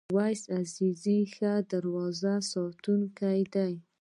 اویس عزیزی ښه دروازه ساتونکی دی.